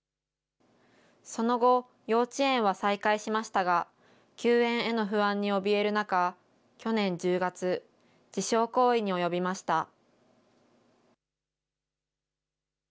その後、幼稚園は再開しましたが、休園への不安におびえる中、去年１０月、自傷行為におよびました。